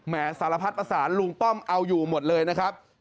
สารพัดประสานลุงป้อมเอาอยู่หมดเลยนะครับ